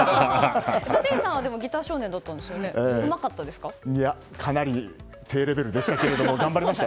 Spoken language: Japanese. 立石さんはギター少年だったんですよねかなり低レベルでしたが頑張りました。